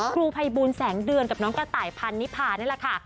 ครูภัยบูลแสงเดือนกับน้องกระต่ายพันนิพานี่แหละค่ะ